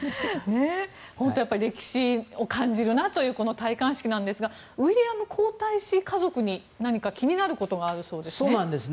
歴史を感じるなという戴冠式なんですがウィリアム皇太子家族に気になることがあるそうですね。